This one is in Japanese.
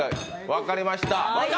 分かりました。